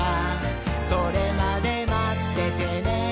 「それまでまっててねー！」